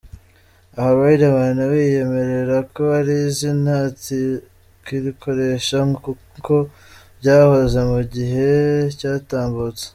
Aha Riderman nawe yiyemerera ko iri zina atakirikoresha nkuko byahoze mu gihe cyatambutse.